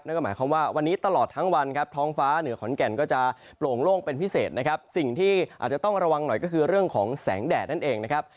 หมายความว่าวันนี้ตลอดทั้งวันครับท้องฟ้าเหนือขอนแก่นก็จะโปร่งโล่งเป็นพิเศษนะครับสิ่งที่อาจจะต้องระวังหน่อยก็คือเรื่องของแสงแดดนั่นเองนะครับ